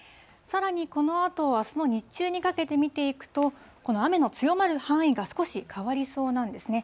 さらにこのあと、あすの日中にかけて見ていくと、この雨の強まる範囲が少し変わりそうなんですね。